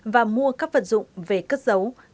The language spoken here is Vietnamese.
và mua các vật dụng về cất dấu